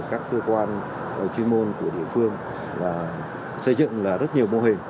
các cơ quan chuyên môn của địa phương xây dựng rất nhiều mô hình